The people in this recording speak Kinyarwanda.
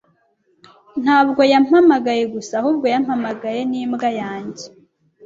Ntabwo yampamagaye gusa ahubwo yampamagaye n'imbwa yanjye.